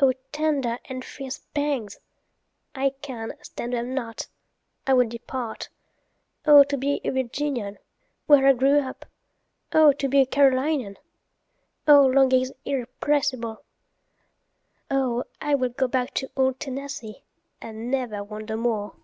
O tender and fierce pangs—I can stand them not—I will depart;O to be a Virginian, where I grew up! O to be a Carolinian!O longings irrepressible! O I will go back to old Tennessee, and never wander more!